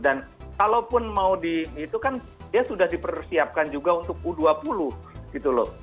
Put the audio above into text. dan kalaupun mau di itu kan dia sudah dipersiapkan juga untuk u dua puluh gitu loh